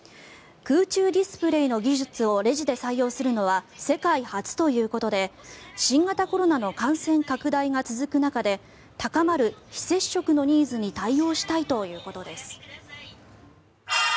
空中ディスプレーの技術をレジに採用するのは世界初ということで新型コロナの感染拡大が続く中で高まる非接触のニーズに対応したいということです。